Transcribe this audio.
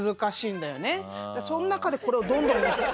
その中でこれをどんどんやってく。